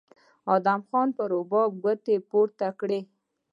ادم خان په رباب ګوتې پورې کړې